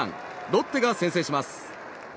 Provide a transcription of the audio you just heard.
ロッテが先制します。